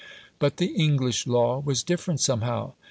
But the English law was different somehow.